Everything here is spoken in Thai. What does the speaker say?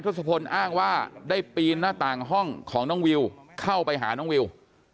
ศพลอ้างว่าได้ปีนหน้าต่างห้องของน้องวิวเข้าไปหาน้องวิว